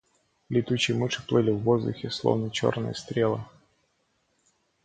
Летучие мыши плыли в воздухе, словно черные стрелы.